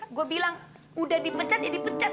eh saya bilang sudah dipecat ya dipecat